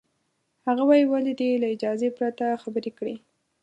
هغه وایي، ولې دې له اجازې پرته خبرې کړې؟